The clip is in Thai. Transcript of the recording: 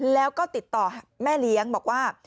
แล้วก็ติดต่อแม่เลี้ยงบอกว่า